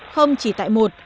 không chỉ tại một